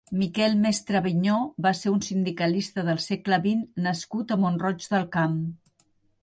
Miquel Mestre Avinyó va ser un sindicalista del segle vint nascut a Mont-roig del Camp.